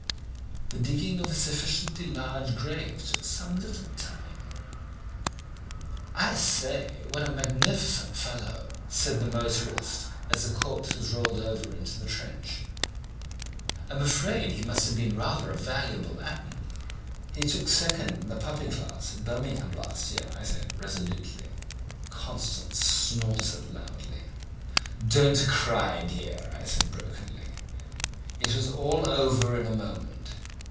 "The digging of a sufficiently large grave took some little time. 'I say, what a magnificent fellow,' said the motorist as the corpse was rolled over into the trench. 'I'm afraid he must have been rather a valuable animal.' "'He took second in the puppy class at Birmingham last year,' I said resolutely. "Constance snorted loudly. "'Don't cry, dear,' I said brokenly; 'it was all over in a moment.